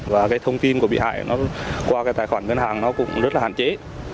và cái thông tin của bị hại qua tài khoản ngân hàng cũng rất là hạn chế